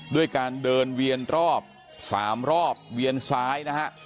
ด้วยการเดินเวียนรอบ๓รอบเวียนซ้ายนะฮะ